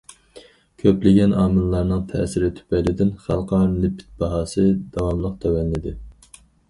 كۆپلىگەن ئامىللارنىڭ تەسىرى تۈپەيلىدىن، خەلقئارا نېفىت باھاسى داۋاملىق تۆۋەنلىدى.